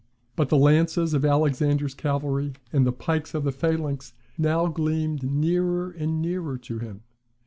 But the lances of Alexander's cavalry, and the pikes of the phalanx now gleamed nearer and nearer to him.